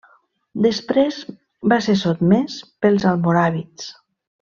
Després va ser sotmés pels almoràvits.